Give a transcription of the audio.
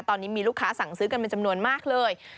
ตอนนี้มีลูกค้าสั่งซื้อกันเป็นจำนวนมากเลย